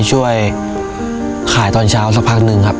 ช่วยขายตอนเช้าสักพักหนึ่งครับ